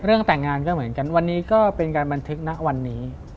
เรื่องแต่งงานก็เหมือนกันวันนี้ก็เป็นการบันทึกนะวันนี้